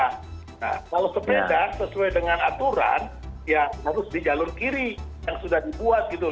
nah kalau sepeda sesuai dengan aturan ya harus di jalur kiri yang sudah dibuat gitu